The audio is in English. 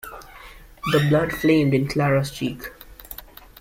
The blood flamed in Clara’s cheek.